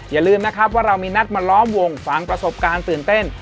อย่าลืมนะครับว่าเรามีนัดมาล้อมวงฟังประสบการณ์ตื่นเต้น